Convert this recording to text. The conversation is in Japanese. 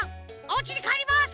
おうちにかえります！